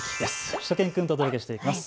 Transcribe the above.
しゅと犬くんとお届けしていきます。